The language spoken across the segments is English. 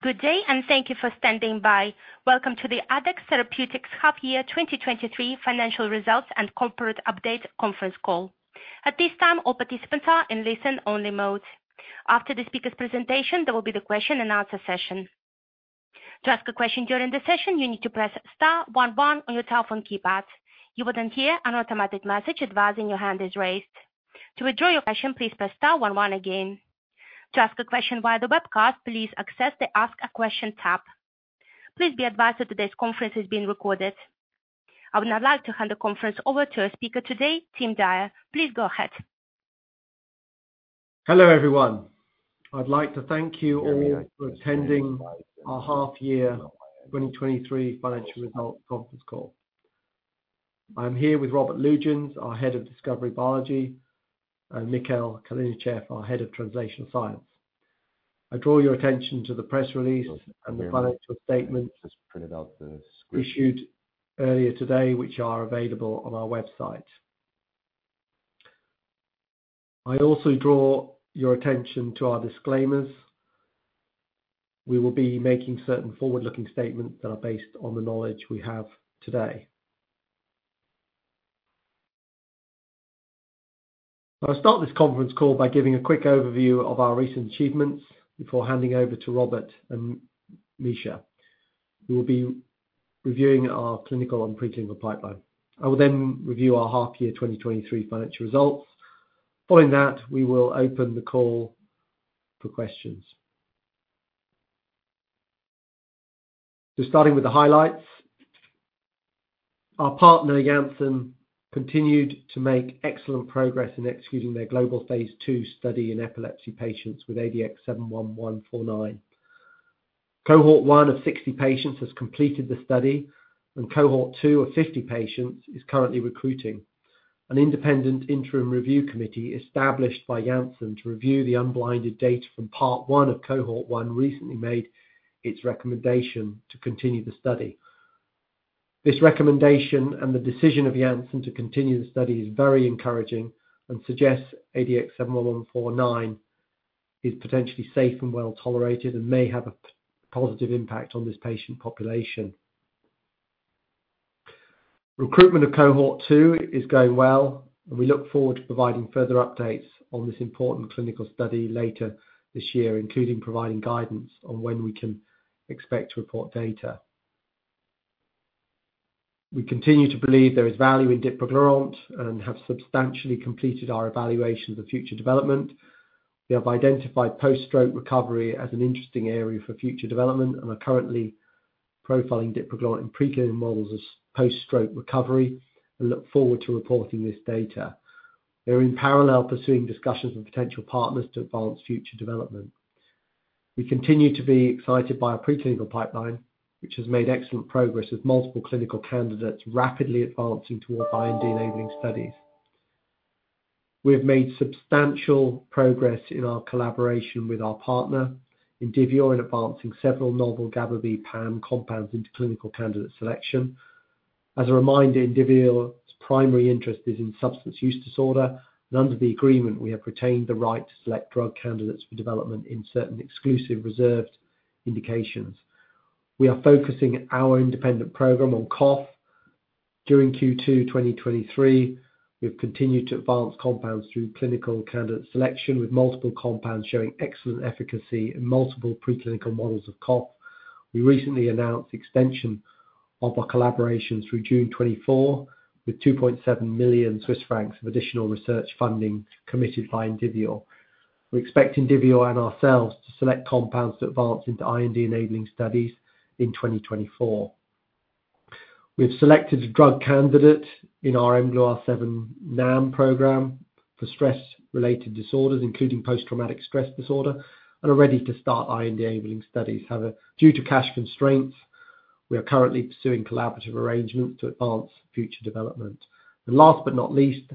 Good day, and thank you for standing by. Welcome to the Addex Therapeutics Half Year 2023 Financial Results and Corporate Update conference call. At this time, all participants are in listen-only mode. After the speaker's presentation, there will be the question and answer session. To ask a question during the session, you need to press star 1 1 on your telephone keypad. You will then hear an automatic message advising your hand is raised. To withdraw your question, please press star 1 1 again. To ask a question via the webcast, please access the Ask a Question tab. Please be advised that today's conference is being recorded. I would now like to hand the conference over to our speaker today, Tim Dyer. Please go ahead. Hello, everyone. I'd like to thank you all for attending our half year 2023 financial results conference call. I'm here with Robert Lütjens, our Head of Discovery Biology, and Mikhail Kalinichev, our Head of Translational Science. I draw your attention to the press release and the financial statements issued earlier today, which are available on our website. I also draw your attention to our disclaimers. We will be making certain forward-looking statements that are based on the knowledge we have today. I'll start this conference call by giving a quick overview of our recent achievements before handing over to Robert and Misha, who will be reviewing our clinical and preclinical pipeline. I will review our half year 2023 financial results. Following that, we will open the call for questions. Starting with the highlights, our partner, Janssen, continued to make excellent progress in executing their global Phase II study in epilepsy patients with ADX71149. Cohort 1 of 60 patients has completed the study, and cohort 2 of 50 patients is currently recruiting. An independent interim review committee established by Janssen to review the unblinded data from part 1 of cohort 1, recently made its recommendation to continue the study. This recommendation and the decision of Janssen to continue the study is very encouraging and suggests ADX71149 is potentially safe and well tolerated and may have a positive impact on this patient population. Recruitment of cohort 2 is going well, and we look forward to providing further updates on this important clinical study later this year, including providing guidance on when we can expect to report data. We continue to believe there is value in dipraglurant and have substantially completed our evaluation of the future development. We have identified post-stroke recovery as an interesting area for future development and are currently profiling dipraglurant in preclinical models as post-stroke recovery and look forward to reporting this data. We are in parallel pursuing discussions with potential partners to advance future development. We continue to be excited by our preclinical pipeline, which has made excellent progress, with multiple clinical candidates rapidly advancing toward IND-enabling studies. We have made substantial progress in our collaboration with our partner, Indivior, in advancing several novel GABAB PAM compounds into clinical candidate selection. As a reminder, Indivior's primary interest is in substance use disorder, and under the agreement, we have retained the right to select drug candidates for development in certain exclusive reserved indications. We are focusing our independent program on Cough. During Q2 2023, we have continued to advance compounds through clinical candidate selection, with multiple compounds showing excellent efficacy in multiple preclinical models of Cough. We recently announced extension of our collaboration through June 2024, with 2.7 million Swiss francs of additional research funding committed by Indivior. We expect Indivior and ourselves to select compounds to advance into IND-enabling studies in 2024. We have selected a drug candidate in our mGluR7 NAM program for stress-related disorders, including post-traumatic stress disorder, and are ready to start IND-enabling studies. Due to cash constraints, we are currently pursuing collaborative arrangements to advance future development. Last but not least,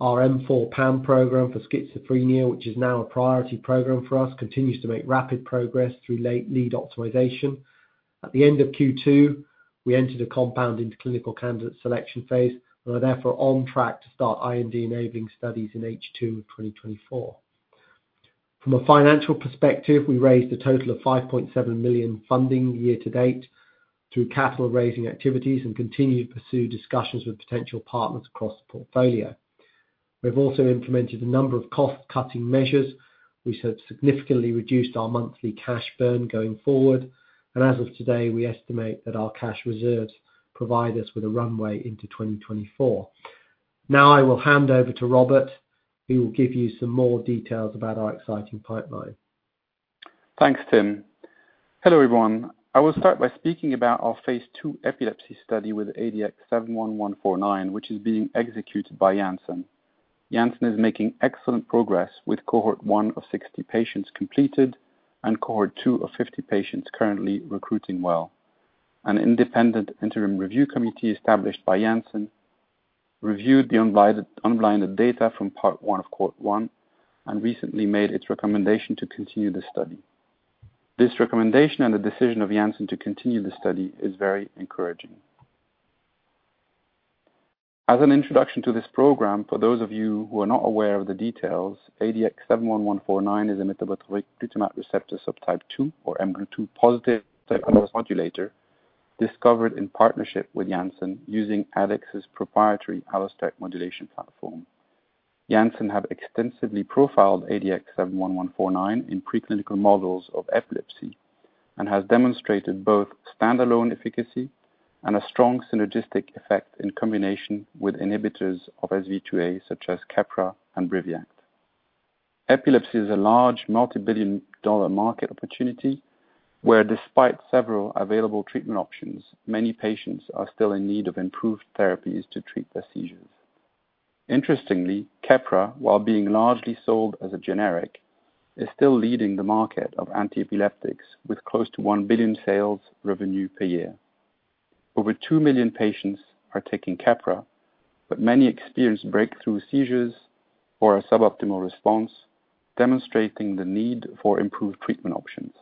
our M4 PAM program for schizophrenia, which is now a priority program for us, continues to make rapid progress through late lead optimization. At the end of Q2, we entered a compound into clinical candidate selection phase and are therefore on track to start IND-enabling studies in H2 2024. From a financial perspective, we raised a total of $5.7 million in funding year to date through capital raising activities and continue to pursue discussions with potential partners across the portfolio. We've also implemented a number of cost-cutting measures, which have significantly reduced our monthly cash burn going forward. As of today, we estimate that our cash reserves provide us with a runway into 2024. Now I will hand over to Robert, who will give you some more details about our exciting pipeline. Thanks, Tim. Hello, everyone. I will start by speaking about our phase II epilepsy study with ADX71149, which is being executed by Janssen. Janssen is making excellent progress, with cohort one of 60 patients completed and cohort two of 50 patients currently recruiting well. An independent interim review committee established by Janssen reviewed the unblinded data from part one of cohort one and recently made its recommendation to continue the study. This recommendation and the decision of Janssen to continue the study is very encouraging. As an introduction to this program, for those of you who are not aware of the details, ADX71149 is a metabotropic glutamate receptor subtype 2 or mGlu2 positive modulator, discovered in partnership with Janssen, using Addex's proprietary allosteric modulation platform. Janssen have extensively profiled ADX71149 in preclinical models of epilepsy and has demonstrated both standalone efficacy and a strong synergistic effect in combination with inhibitors of SV2A, such as Keppra and Briviact. Epilepsy is a large, $multi-billion market opportunity, where despite several available treatment options, many patients are still in need of improved therapies to treat their seizures. Interestingly, Keppra, while being largely sold as a generic, is still leading the market of antiepileptics, with close to $1 billion sales revenue per year. Over 2 million patients are taking Keppra, but many experience breakthrough seizures or a suboptimal response, demonstrating the need for improved treatment options.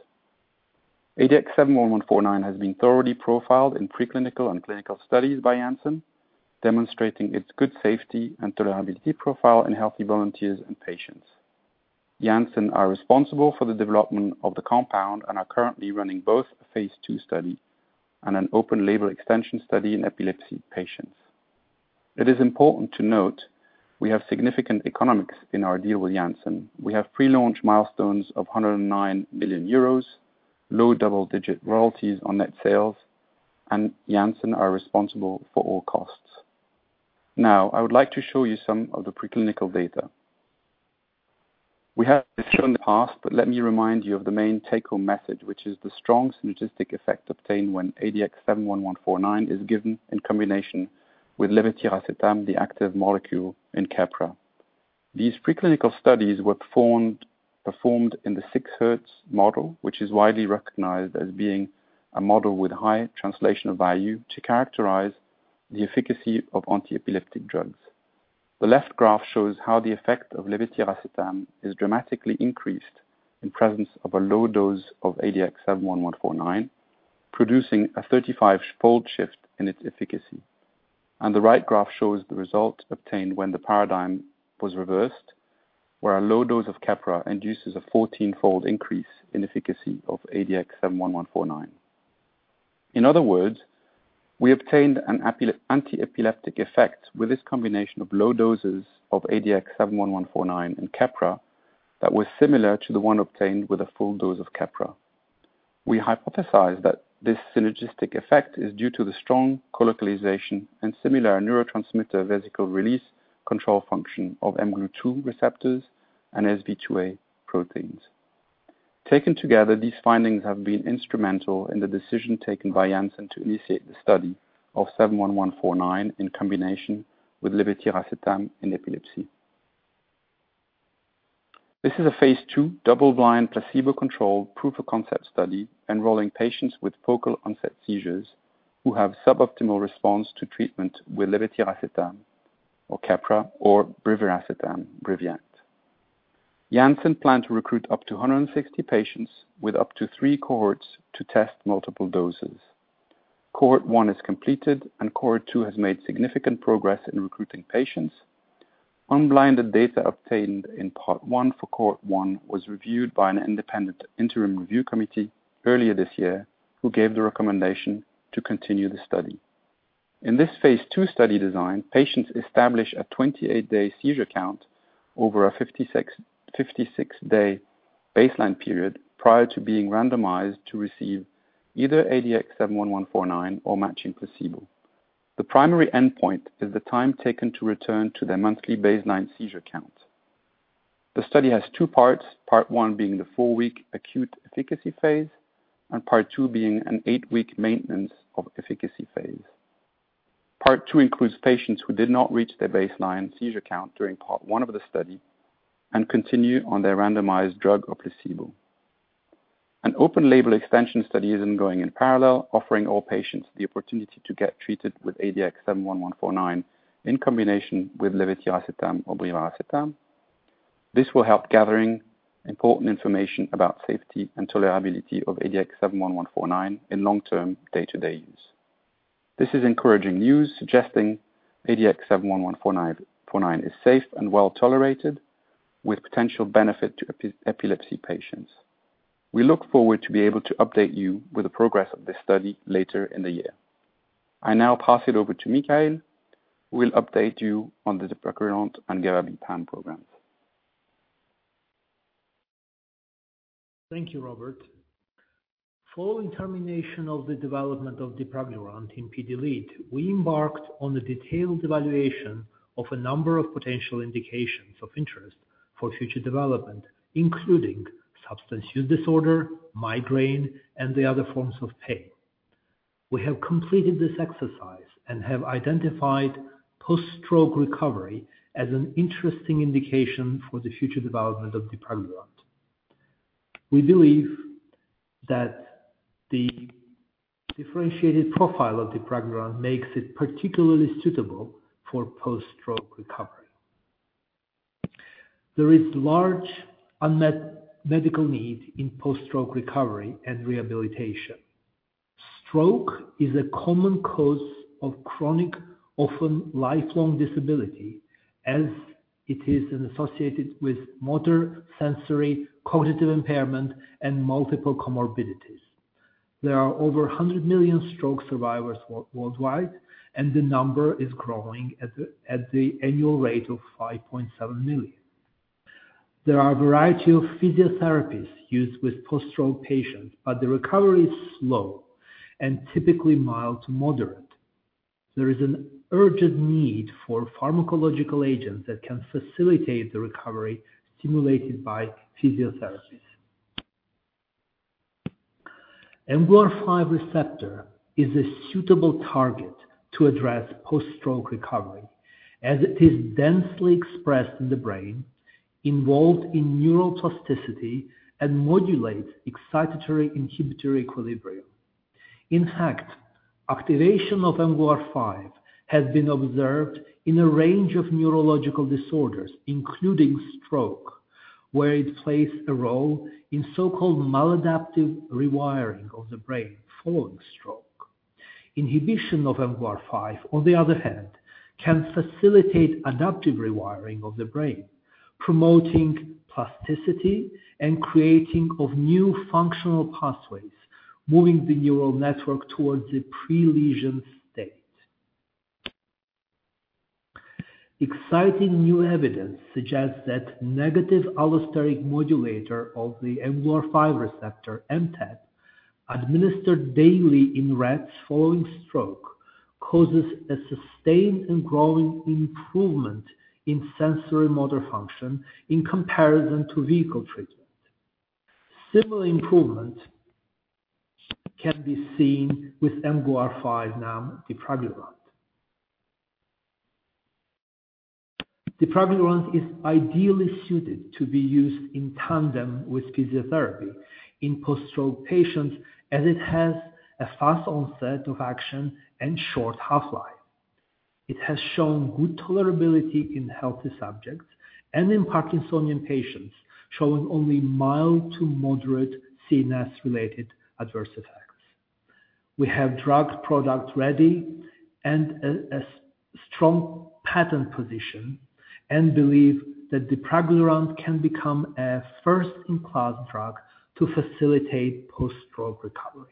ADX71149 has been thoroughly profiled in preclinical and clinical studies by Janssen, demonstrating its good safety and tolerability profile in healthy volunteers and patients. Janssen are responsible for the development of the compound and are currently running both a Phase II study and an open-label extension study in epilepsy patients. It is important to note we have significant economics in our deal with Janssen. We have pre-launch milestones of 109 million euros, low double-digit royalties on net sales. Janssen are responsible for all costs. I would like to show you some of the preclinical data. We have shown in the past, let me remind you of the main take-home message, which is the strong synergistic effect obtained when ADX71149 is given in combination with levetiracetam, the active molecule in Keppra. These preclinical studies were performed in the 6 Hz model, which is widely recognized as being a model with high translational value to characterize the efficacy of antiepileptic drugs. The left graph shows how the effect of levetiracetam is dramatically increased in presence of a low dose of ADX71149, producing a 35-fold shift in its efficacy. The right graph shows the result obtained when the paradigm was reversed, where a low dose of Keppra induces a 14-fold increase in efficacy of ADX71149. In other words, we obtained an antiepileptic effect with this combination of low doses of ADX71149 and Keppra that was similar to the one obtained with a full dose of Keppra. We hypothesized that this synergistic effect is due to the strong colocalization and similar neurotransmitter vesicle release control function of mGlu2 receptors and SV2A proteins. Taken together, these findings have been instrumental in the decision taken by Janssen to initiate the study of 71149 in combination with levetiracetam in epilepsy. This is a phase II double-blind, placebo-controlled, proof of concept study enrolling patients with focal onset seizures who have suboptimal response to treatment with levetiracetam or Keppra or brivaracetam, Briviact. Janssen plan to recruit up to 160 patients with up to 3 cohorts to test multiple doses. Cohort 1 is completed, and Cohort 2 has made significant progress in recruiting patients. Unblinded data obtained in part 1 for Cohort 1 was reviewed by an independent interim review committee earlier this year, who gave the recommendation to continue the study. In this phase II study design, patients establish a 28-day seizure count over a 56-day baseline period prior to being randomized to receive either ADX71149 or matching placebo. The primary endpoint is the time taken to return to their monthly baseline seizure count. The study has two parts, part one being the four-week acute efficacy phase and part two being an eight-week maintenance of efficacy phase. Part two includes patients who did not reach their baseline seizure count during part one of the study and continue on their randomized drug or placebo. An open-label extension study is ongoing in parallel, offering all patients the opportunity to get treated with ADX71149 in combination with levetiracetam or brivaracetam. This will help gathering important information about safety and tolerability of ADX71149 in long-term day-to-day use. This is encouraging news suggesting ADX71149 is safe and well-tolerated with potential benefit to epilepsy patients. We look forward to be able to update you with the progress of this study later in the year. I now pass it over to Mikhail, who will update you on the dipraglurant and GABAB programs. Thank you, Robert. Following termination of the development of dipraglurant in PD-LID, we embarked on a detailed evaluation of a number of potential indications of interest for future development, including substance use disorder, migraine, and the other forms of pain. We have completed this exercise and have identified post-stroke recovery as an interesting indication for the future development of dipraglurant. We believe that the differentiated profile of dipraglurant makes it particularly suitable for post-stroke recovery. There is large unmet medical need in post-stroke recovery and rehabilitation. Stroke is a common cause of chronic, often lifelong disability, as it is associated with motor, sensory, cognitive impairment, and multiple comorbidities. There are over 100 million stroke survivors worldwide, and the number is growing at the annual rate of 5.7 million. There are a variety of physiotherapies used with post-stroke patients, but the recovery is slow and typically mild to moderate. There is an urgent need for pharmacological agents that can facilitate the recovery stimulated by physiotherapies. mGluR5 receptor is a suitable target to address post-stroke recovery, as it is densely expressed in the brain, involved in neural plasticity, and modulates excitatory inhibitory equilibrium. In fact, activation of mGluR5 has been observed in a range of neurological disorders, including stroke, where it plays a role in so-called maladaptive rewiring of the brain following stroke. Inhibition of mGluR5, on the other hand, can facilitate adaptive rewiring of the brain, promoting plasticity and creating of new functional pathways, moving the neural network towards a pre-lesion state. Exciting new evidence suggests that negative allosteric modulator of the mGluR5 receptor, MTEP, administered daily in rats following stroke, causes a sustained and growing improvement in sensory motor function in comparison to vehicle treatment. Similar improvement can be seen with mGluR5 now, Dipraglirant. Dipraglirant is ideally suited to be used in tandem with physiotherapy in post-stroke patients, as it has a fast onset of action and short half-life. It has shown good tolerability in healthy subjects and in Parkinsonian patients, showing only mild to moderate CNS-related adverse effects. We have drug product ready and a strong pattern position and believe that Dipraglirant can become a first-in-class drug to facilitate post-stroke recovery.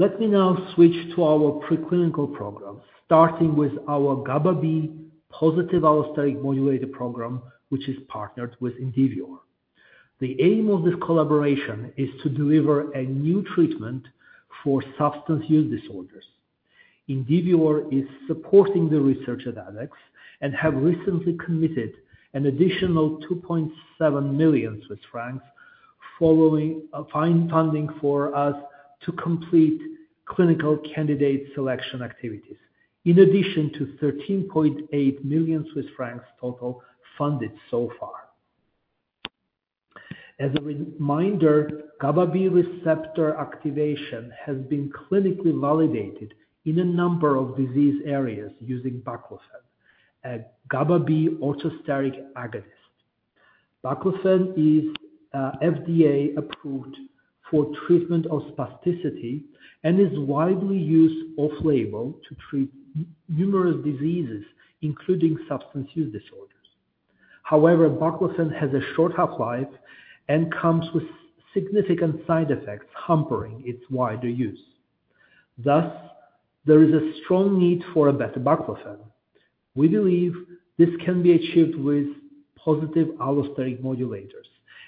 Let me now switch to our preclinical programs, starting with our GABAB positive allosteric modulator program, which is partnered with Indivior. The aim of this collaboration is to deliver a new treatment for substance use disorders. Indivior is supporting the research at Addex and have recently committed an additional 2.7 million Swiss francs following a fine funding for us to complete clinical candidate selection activities, in addition to 13.8 million Swiss francs total funded so far. As a reminder, GABAB receptor activation has been clinically validated in a number of disease areas using baclofen, a GABAB allosteric agonist. Baclofen is FDA-approved for treatment of spasticity and is widely used off-label to treat numerous diseases, including substance use disorders. However, baclofen has a short half-life and comes with significant side effects, hampering its wider use. Thus, there is a strong need for a better baclofen. We believe this can be achieved with positive allosteric modulators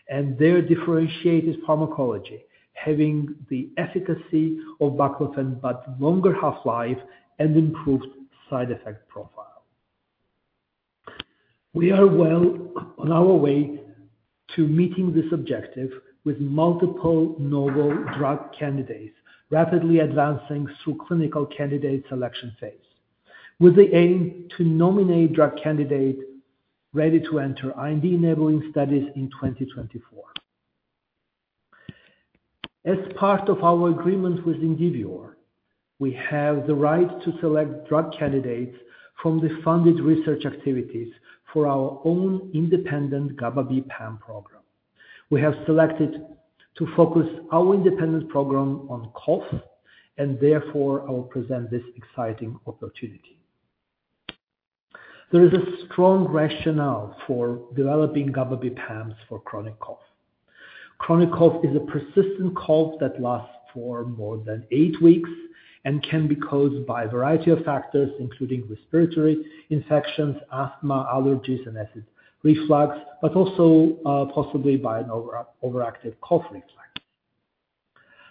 and their differentiated pharmacology, having the efficacy of baclofen, but longer half-life and improved side effect profile. We are well on our way to meeting this objective with multiple novel drug candidates, rapidly advancing through clinical candidate selection phase, with the aim to nominate drug candidate ready to enter IND-enabling studies in 2024. As part of our agreement with Indivior, we have the right to select drug candidates from the funded research activities for our own independent GABAB PAM program. We have selected to focus our independent program on cough, and therefore I will present this exciting opportunity. There is a strong rationale for developing GABAB PAMs for chronic cough. Chronic cough is a persistent cough that lasts for more than 8 weeks and can be caused by a variety of factors, including respiratory infections, asthma, allergies, and acid reflux, but also, possibly by an overactive cough reflex.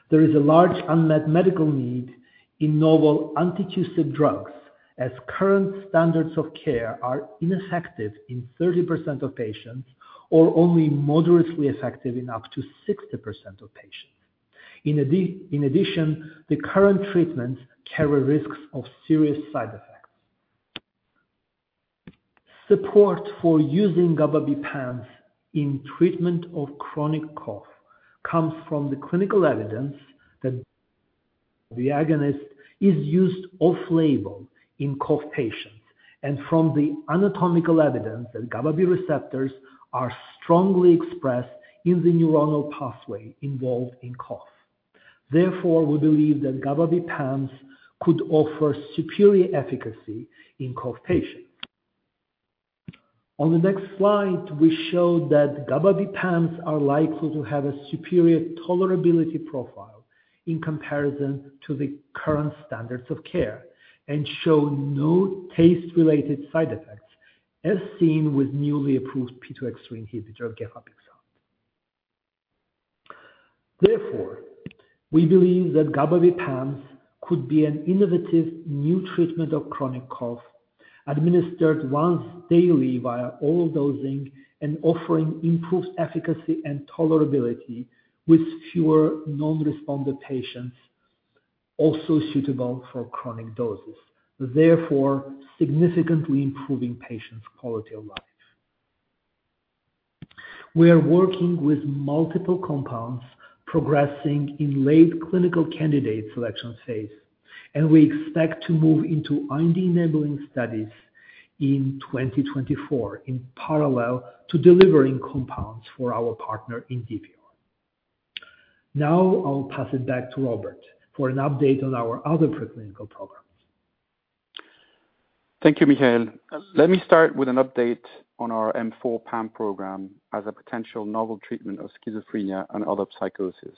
There is a large unmet medical need in novel antitussive drugs, as current standards of care are ineffective in 30% of patients or only moderately effective in up to 60% of patients. In addition, the current treatments carry risks of serious side effects. Support for using GABAB PAMs in treatment of chronic cough comes from the clinical evidence that the agonist is used off-label in cough patients, and from the anatomical evidence that GABAB receptors are strongly expressed in the neuronal pathway involved in cough. Therefore, we believe that GABAB PAMs could offer superior efficacy in cough patients. On the next slide, we show that GABAB PAMs are likely to have a superior tolerability profile in comparison to the current standards of care, and show no taste-related side effects, as seen with newly approved P2X3 inhibitor, gefapixant. Therefore, we believe that GABAB PAMs could be an innovative new treatment of chronic cough, administered once daily via oral dosing and offering improved efficacy and tolerability with fewer non-responder patients, also suitable for chronic doses, therefore significantly improving patients' quality of life. We are working with multiple compounds progressing in late clinical candidate selection phase, and we expect to move into IND-enabling studies in 2024, in parallel to delivering compounds for our partner in DPR. Now, I'll pass it back to Robert Lütjens for an update on our other preclinical programs. Thank you, Mikhail. Let me start with an update on our M4 PAM program as a potential novel treatment of schizophrenia and other psychosis.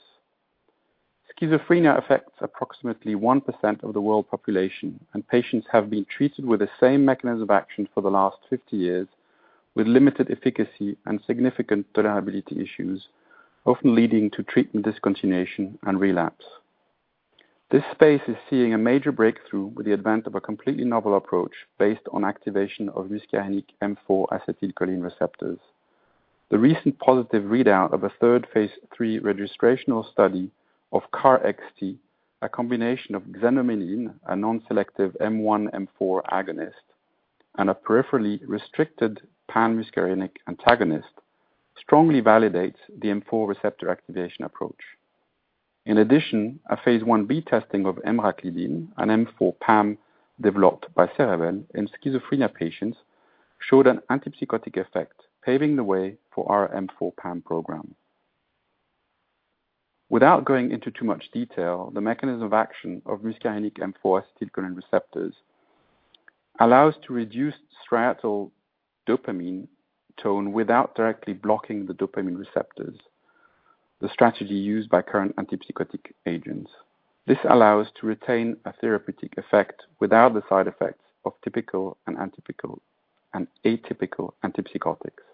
Schizophrenia affects approximately 1% of the world population, and patients have been treated with the same mechanism of action for the last 50 years, with limited efficacy and significant tolerability issues, often leading to treatment discontinuation and relapse. This space is seeing a major breakthrough with the advent of a completely novel approach based on activation of muscarinic M4 acetylcholine receptors. The recent positive readout of a third Phase III registrational study of KarXT, a combination of xanomeline, a non-selective M1, M4 agonist, and a peripherally restricted PAM muscarinic antagonist, strongly validates the M4 receptor activation approach. In addition, a phase I-B testing of emraclidine, an M4 PAM developed by Cerevel in schizophrenia patients, showed an antipsychotic effect, paving the way for our M4 PAM program. Without going into too much detail, the mechanism of action of muscarinic M4 acetylcholine receptors allows to reduce striatal dopamine tone without directly blocking the dopamine receptors, the strategy used by current antipsychotic agents. This allows to retain a therapeutic effect without the side effects of typical and atypical antipsychotics.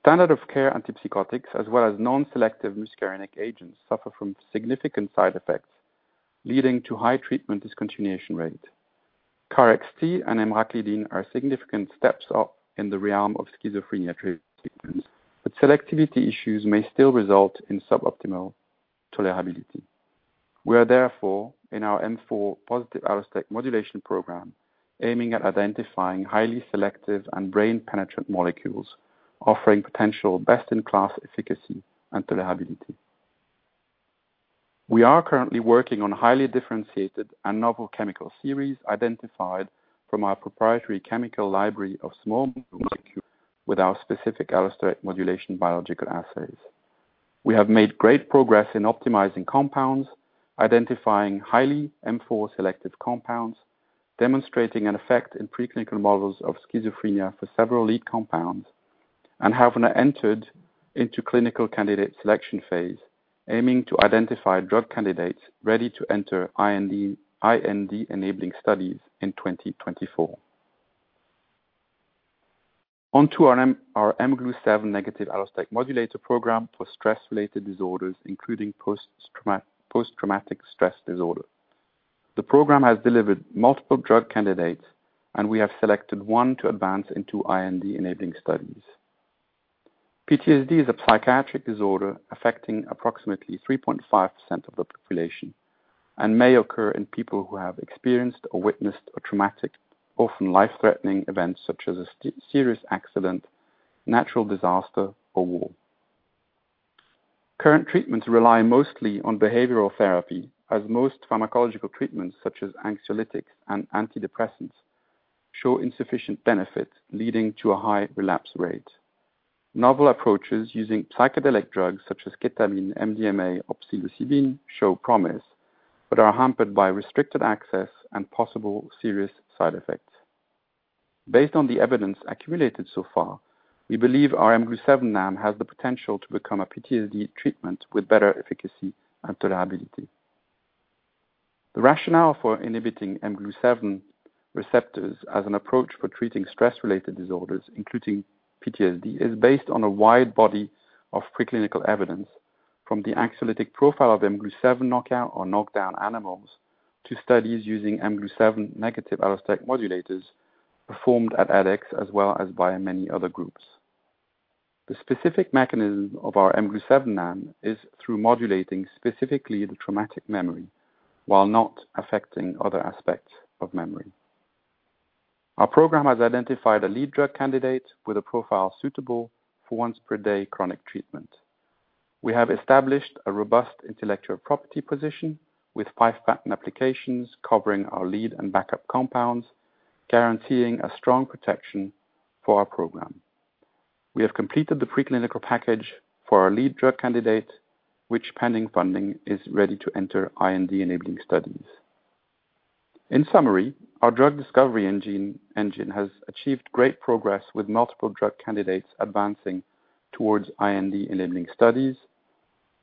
Standard of care antipsychotics, as well as non-selective muscarinic agents, suffer from significant side effects, leading to high treatment discontinuation rate. KarXT and emraclidine are significant steps up in the realm of schizophrenia treatments, but selectivity issues may still result in suboptimal tolerability. We are therefore, in our M4 positive allosteric modulation program, aiming at identifying highly selective and brain-penetrant molecules, offering potential best-in-class efficacy and tolerability. We are currently working on highly differentiated and novel chemical series identified from our proprietary chemical library of small molecules with our specific allosteric modulation biological assays. We have made great progress in optimizing compounds, identifying highly M4-selective compounds, demonstrating an effect in preclinical models of schizophrenia for several lead compounds, and have now entered into clinical candidate selection phase, aiming to identify drug candidates ready to enter IND, IND-enabling studies in 2024. On to our mGlu7 negative allosteric modulator program for stress-related disorders, including post-traumatic stress disorder. The program has delivered multiple drug candidates, and we have selected one to advance into IND-enabling studies. PTSD is a psychiatric disorder affecting approximately 3.5% of the population, and may occur in people who have experienced or witnessed a traumatic, often life-threatening event, such as a serious accident, natural disaster, or war. Current treatments rely mostly on behavioral therapy, as most pharmacological treatments, such as anxiolytics and antidepressants, show insufficient benefit, leading to a high relapse rate. Novel approaches using psychedelic drugs such as ketamine, MDMA, or psilocybin show promise, but are hampered by restricted access and possible serious side effects. Based on the evidence accumulated so far, we believe our mGlu7 NAM has the potential to become a PTSD treatment with better efficacy and tolerability. The rationale for inhibiting mGlu7 receptors as an approach for treating stress-related disorders, including PTSD, is based on a wide body of preclinical evidence from the anxiolytic profile of mGlu7 knockout or knockdown animals to studies using mGlu7 negative allosteric modulators performed at Addex, as well as by many other groups. The specific mechanism of our mGlu7 NAM is through modulating specifically the traumatic memory while not affecting other aspects of memory. Our program has identified a lead drug candidate with a profile suitable for once per day chronic treatment. We have established a robust intellectual property position with 5 patent applications covering our lead and backup compounds, guaranteeing a strong protection for our program. We have completed the preclinical package for our lead drug candidate, which pending funding, is ready to enter IND-enabling studies. In summary, our drug discovery engine has achieved great progress with multiple drug candidates advancing towards IND-enabling studies.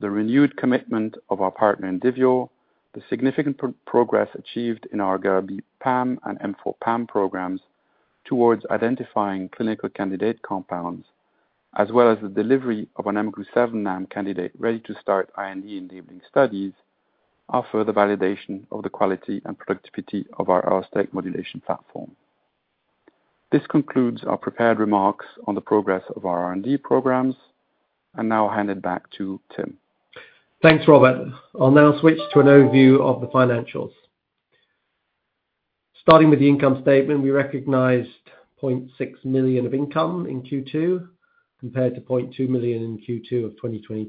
The renewed commitment of our partner, Indivior, the significant progress achieved in our GABAB PAM and M4-PAM programs towards identifying clinical candidate compounds, as well as the delivery of an mGlu7 NAM candidate ready to start IND-enabling studies, offer the validation of the quality and productivity of our allosteric modulation platform. This concludes our prepared remarks on the progress of our R&D programs. I now hand it back to Tim. Thanks, Robert. I'll now switch to an overview of the financials. Starting with the income statement, we recognized $0.6 million of income in Q2, compared to $0.2 million in Q2 of 2022.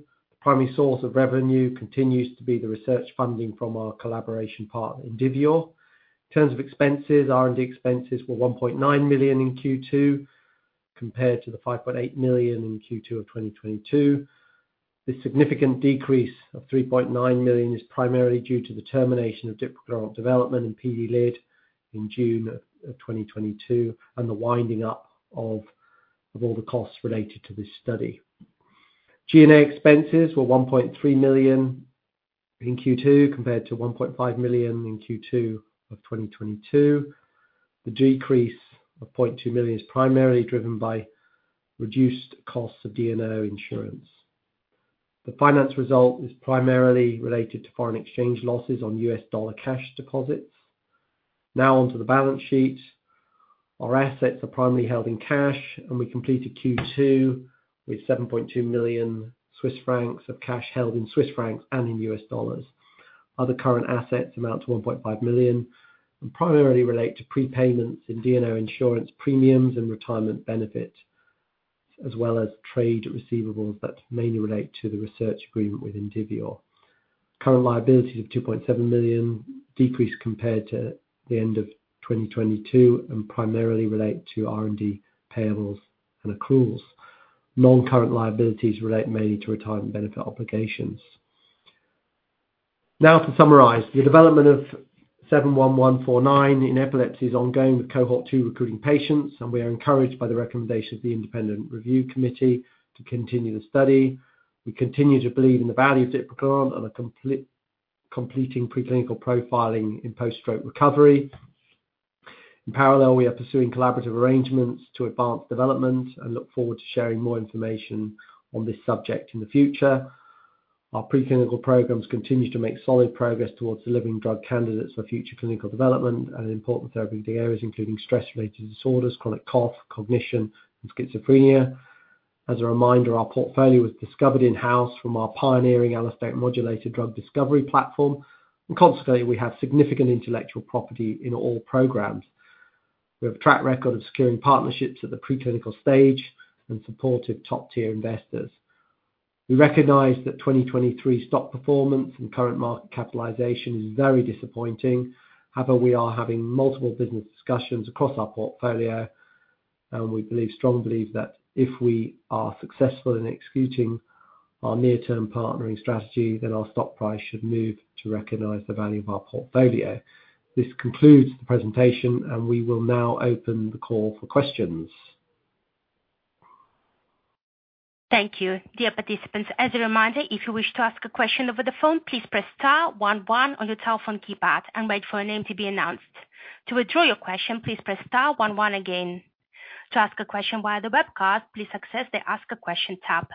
The primary source of revenue continues to be the research funding from our collaboration partner, Indivior. In terms of expenses, R&D expenses were $1.9 million in Q2, compared to the $5.8 million in Q2 of 2022. This significant decrease of $3.9 million is primarily due to the termination of dipraglurant development in PD-LID in June of, of 2022, and the winding up of, of all the costs related to this study. G&A expenses were $1.3 million in Q2, compared to $1.5 million in Q2 of 2022. The decrease of $0.2 million is primarily driven by reduced costs of D&O insurance. The finance result is primarily related to foreign exchange losses on US dollar cash deposits. On to the balance sheet. Our assets are primarily held in cash, and we completed Q2 with 7.2 million Swiss francs of cash held in Swiss francs and in US dollars. Other current assets amount to 1.5 million Swiss francs, and primarily relate to prepayments in D&O insurance premiums and retirement benefits, as well as trade receivables that mainly relate to the research agreement with Indivior. Current liabilities of 2.7 million Swiss francs decreased compared to the end of 2022 and primarily relate to R&D payables and accruals. Non-current liabilities relate mainly to retirement benefit obligations. To summarize, the development of 71149 in epilepsy is ongoing, with cohort 2 recruiting patients, and we are encouraged by the recommendation of the Independent Review Committee to continue the study. We continue to believe in the value of Zepzelca and are completing preclinical profiling in post-stroke recovery. In parallel, we are pursuing collaborative arrangements to advance development and look forward to sharing more information on this subject in the future. Our preclinical programs continue to make solid progress towards delivering drug candidates for future clinical development and in important therapeutic areas, including stress-related disorders, chronic cough, cognition, and schizophrenia. As a reminder, our portfolio was discovered in-house from our pioneering allosteric modulator drug discovery platform, and consequently, we have significant intellectual property in all programs. We have a track record of securing partnerships at the preclinical stage and supportive top-tier investors. We recognize that 2023 stock performance and current market capitalization is very disappointing. However, we are having multiple business discussions across our portfolio, and we believe, strongly believe that if we are successful in executing our near-term partnering strategy, then our stock price should move to recognize the value of our portfolio. This concludes the presentation, and we will now open the call for questions. Thank you. Dear participants, as a reminder, if you wish to ask a question over the phone, please press star one one on your telephone keypad and wait for your name to be announced. To withdraw your question, please press star one one again. To ask a question via the webcast, please access the Ask a Question tab.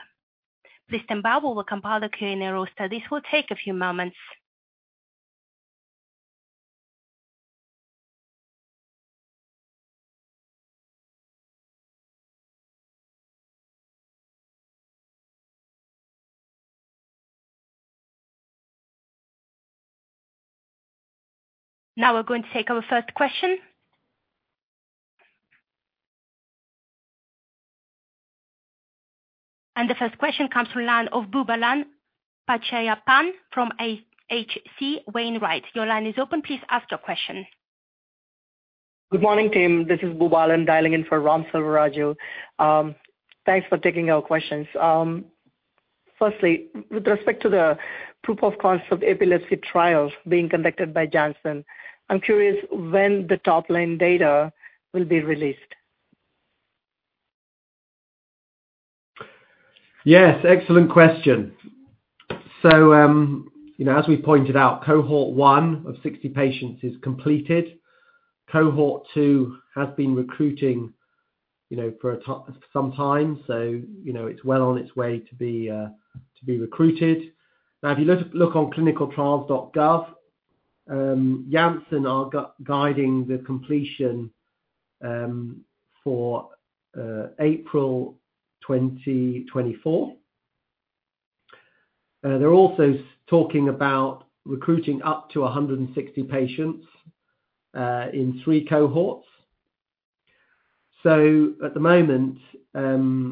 Please stand by, we will compile the Q&A roster. This will take a few moments. Now we're going to take our first question. The first question comes from line of Boobalan Pachaiyappan from H.C. Wainwright. Your line is open. Please ask your question. Good morning, team. This is Boobalan, dialing in for Raghuram Selvaraju. Thanks for taking our questions. Firstly, with respect to the proof of concept epilepsy trials being conducted by Janssen, I'm curious when the top-line data will be released? Yes, excellent question. You know, as we pointed out, cohort 1 of 60 patients is completed. Cohort 2 has been recruiting, you know, for some time. You know, it's well on its way to be recruited. Now, if you look, look on ClinicalTrials.gov, Janssen are guiding the completion for April 2024. They're also talking about recruiting up to 160 patients in 3 cohorts. At the moment,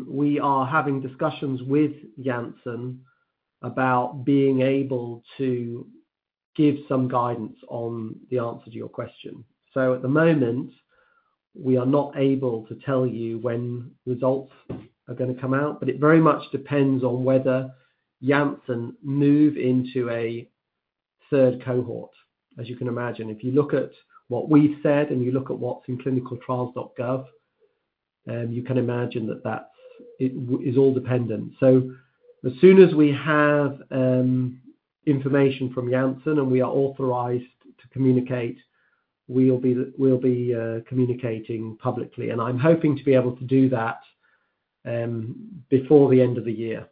we are having discussions with Janssen about being able to give some guidance on the answer to your question. At the moment, we are not able to tell you when results are gonna come out, but it very much depends on whether Janssen move into a third cohort. As you can imagine, if you look at what we've said, and you look at what's in ClinicalTrials.gov, you can imagine it is all dependent. As soon as we have information from Janssen, and we are authorized to communicate, we'll be, we'll be communicating publicly. I'm hoping to be able to do that before the end of the year.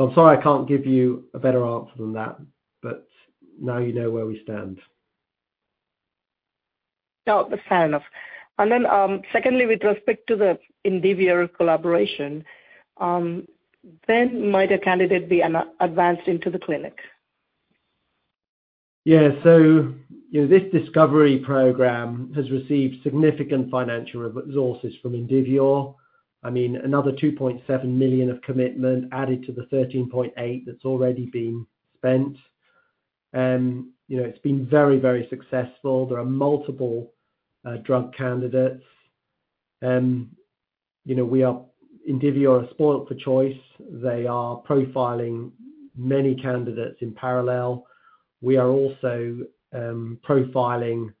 I'm sorry, I can't give you a better answer than that, but now you know where we stand. No, fair enough. Then, secondly, with respect to the Indivior collaboration, when might a candidate be advanced into the clinic? Yeah. You know, this discovery program has received significant financial resources from Indivior. I mean, another 2.7 million of commitment added to the 13.8 million that's already been spent. You know, it's been very, very successful. There are multiple drug candidates. You know, we are, Indivior are spoiled for choice. They are profiling many candidates in parallel. We are also profiling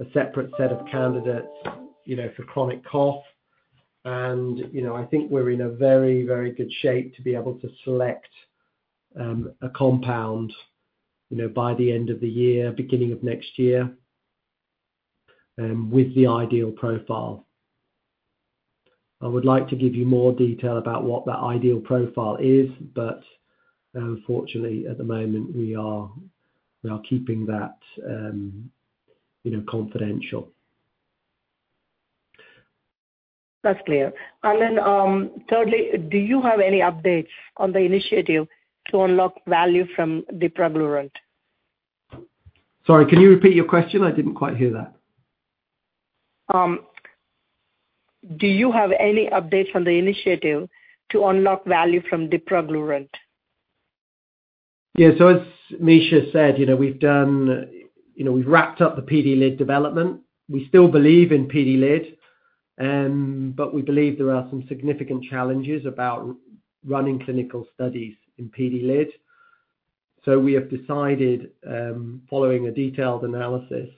a separate set of candidates, you know, for Chronic Cough. You know, I think we're in a very, very good shape to be able to select a compound, you know, by the end of the year, beginning of next year, with the ideal profile. I would like to give you more detail about what that ideal profile is, but, unfortunately, at the moment, we are, we are keeping that, you know, confidential. That's clear. Then, thirdly, do you have any updates on the initiative to unlock value from dipraglurant? Sorry, can you repeat your question? I didn't quite hear that. Do you have any updates on the initiative to unlock value from dipraglurant? Yeah. As Misha said, you know, we've done, you know, we've wrapped up the PD-LID development. We still believe in PD-LID, we believe there are some significant challenges about running clinical studies in PD-LID. We have decided, following a detailed analysis,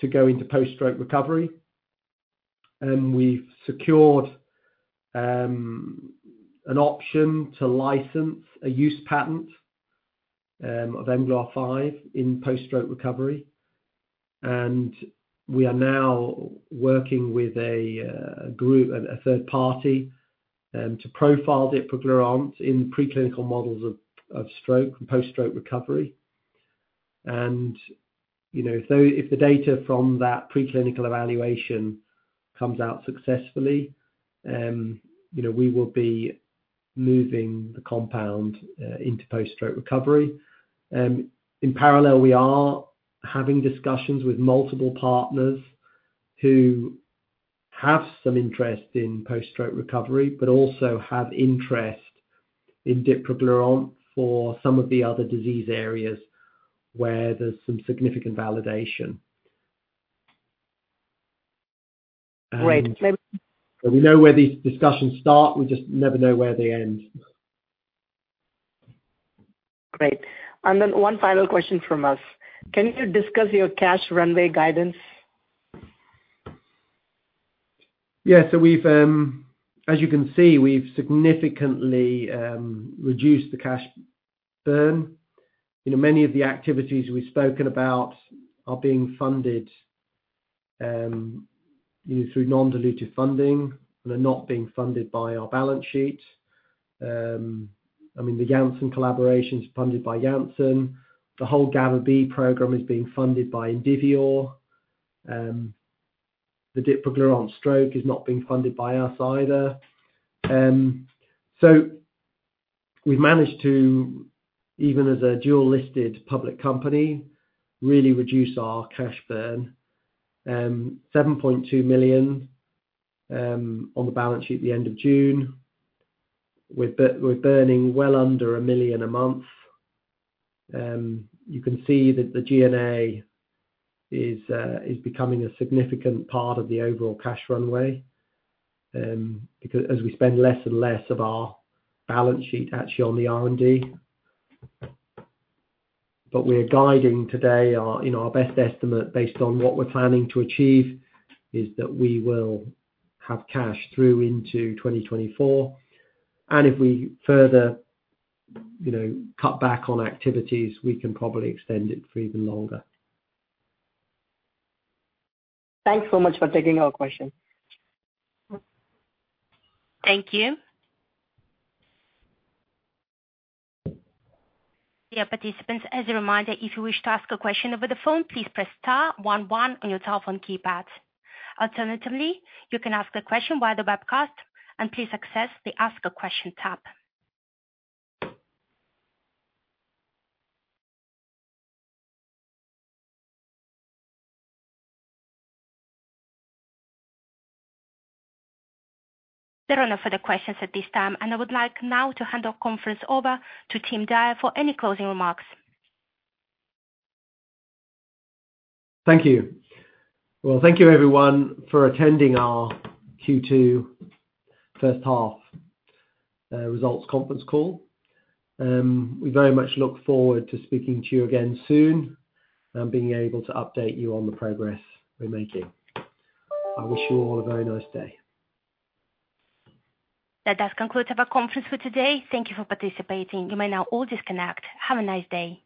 to go into post-stroke recovery, we've secured an option to license a use patent of mGluR5 in post-stroke recovery. We are now working with a group and a third party to profile dipraglurant in preclinical models of, of stroke and post-stroke recovery. You know, if the data from that preclinical evaluation comes out successfully, you know, we will be moving the compound into post-stroke recovery. In parallel, we are having discussions with multiple partners who have some interest in post-stroke recovery, but also have interest in dipraglurant for some of the other disease areas where there's some significant validation. Great. We know where these discussions start. We just never know where they end. Great. Then one final question from us: Can you discuss your cash runway guidance? Yeah. As you can see, we've significantly reduced the cash burn. You know, many of the activities we've spoken about are being funded, you know, through non-dilutive funding and are not being funded by our balance sheet. I mean, the Janssen collaboration is funded by Janssen. The whole GABA B program is being funded by Indivior, the dipraglurant stroke is not being funded by us either. We've managed to, even as a dual-listed public company, really reduce our cash burn. $7.2 million on the balance sheet at the end of June. We're burning well under $1 million a month. You can see that the G&A is becoming a significant part of the overall cash runway, as we spend less and less of our balance sheet actually on the R&D. We're guiding today our, you know, our best estimate, based on what we're planning to achieve, is that we will have cash through into 2024, and if we further, you know, cut back on activities, we can probably extend it for even longer. Thanks so much for taking our question. Thank you. Dear participants, as a reminder, if you wish to ask a question over the phone, please press star one one on your telephone keypad. Alternatively, you can ask a question via the webcast and please access the Ask a Question tab. There are no further questions at this time, and I would like now to hand our conference over to Tim Dyer for any closing remarks. Thank you. Well, thank you everyone for attending our Q2 first half results conference call. We very much look forward to speaking to you again soon, and being able to update you on the progress we're making. I wish you all a very nice day. That does conclude our conference for today. Thank you for participating. You may now all disconnect. Have a nice day.